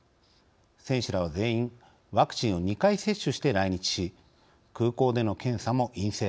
選手らは全員ワクチンを２回接種して来日し空港での検査も陰性。